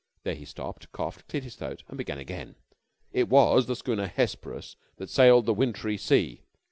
Here he stopped, coughed, cleared his throat, and began again. "_It was the schooner Hesperus that sailed the wintry sea.